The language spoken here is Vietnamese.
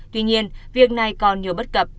tuy nhiên việc này còn nhiều bất cập